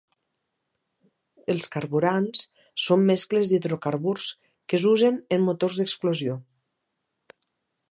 Els carburants són mescles d'hidrocarburs que s'usen en motors d'explosió.